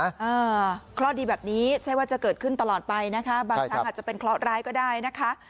อ่าเคราะห์ดีแบบนี้ใช่ว่าจะเกิดขึ้นตลอดไปนะคะบางครั้งอาจจะเป็นเคราะห์ร้ายก็ได้นะคะ